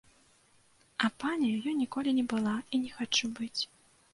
А паняю я ніколі не была і не хачу быць.